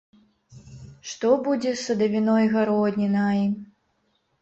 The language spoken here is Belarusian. Што будзе з садавіной-гароднінай?